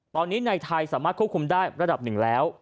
ตอนนี้ในไทยสามารถควบคุมได้ระดับหนึ่งแล้ว